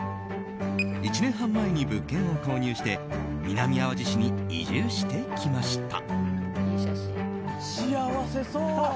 １年半前に物件を購入して南あわじ市に移住してきました。